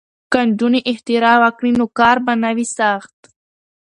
که نجونې اختراع وکړي نو کار به نه وي سخت.